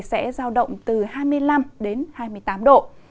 sẽ giao động từ hai mươi năm đến hai mươi tám độ